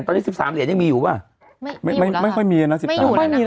ตอนนี้สิบสามเหรียญยังมีอยู่ป่ะไม่ไม่ค่อยมีอ่ะนะสิบสามเหรียญ